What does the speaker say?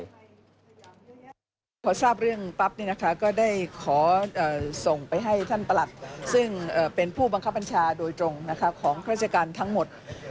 พอทราบเรื่องปั๊บก็ได้ขอส่งไปให้ท่านประหลัดซึ่งเป็นผู้บังคับบัญชาโดยตรงของราชการทั้งหมด